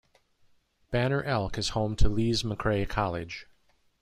Banner Elk is home to Lees-McRae College.